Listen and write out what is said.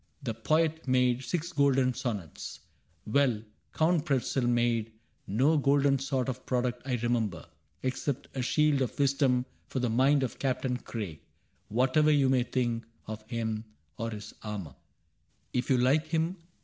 The poet made Six golden sonnets. Well, Count Pretzel made No golden sort of product I remember Except a shield of wisdom for the mind Of Captain Craig — whatever you may think Of him or of his armor. If you like him.